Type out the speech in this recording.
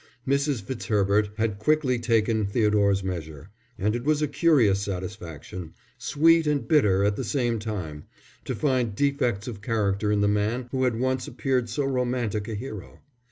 Mrs. Fitzherbert had quickly taken Theodore's measure, and it was a curious satisfaction, sweet and bitter at the same time, to find defects of character in the man who had once appeared so romantic a hero.